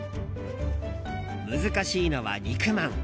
難しいのは肉まん。